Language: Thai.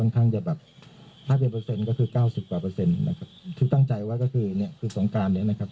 ข้างจะแบบถ้าเป็นเปอร์เซ็นต์ก็คือเก้าสิบกว่าเปอร์เซ็นต์นะครับที่ตั้งใจว่าก็คือเนี่ยคือสงการเนี่ยนะครับ